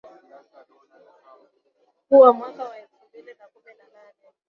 mkuu wa mwaka elfu mbili na kumi na nane